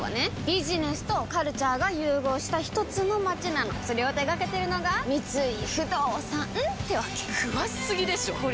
ビジネスとカルチャーが融合したひとつの街なのそれを手掛けてるのが三井不動産ってわけ詳しすぎでしょこりゃ